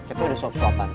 itu ada suap suapan